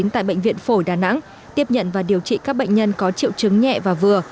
tại bệnh viện phổi đà nẵng tiếp nhận và điều trị các bệnh nhân có triệu chứng nhẹ và vừa